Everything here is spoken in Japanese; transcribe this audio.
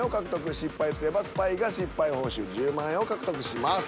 失敗すればスパイが失敗報酬１０万円を獲得します。